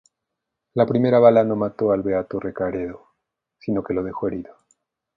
La primera bala no mató al beato Recaredo, sino que lo dejó herido.